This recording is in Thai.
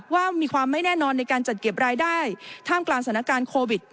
ว่ามีความไม่แน่นอนในการจัดเก็บรายได้ท่ามกลางสถานการณ์โควิด